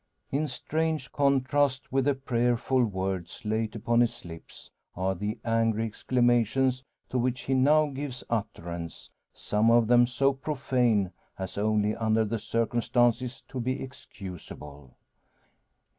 In strange contrast with the prayerful words late upon his lips, are the angry exclamations to which he now gives utterance; some of them so profane as only under the circumstances to be excusable.